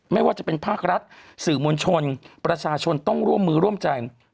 ไม่ว่าจะเป็นภาครัฐสื่อมวลชนประชาชนต้องร่วมมือร่วมใจ